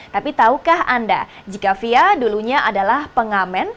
tapi tahukah anda jika fia dulunya adalah pengamen